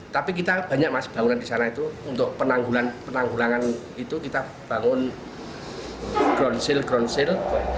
tapi kita banyak masih bangunan di sana itu untuk penanggulangan itu kita bangun ground sale ground sale